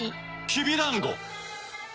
きびだんご！